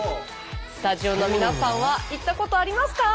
スタジオの皆さんは行ったことありますか？